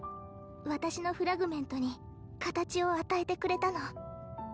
私のフラグメントに形を与えてくれたの。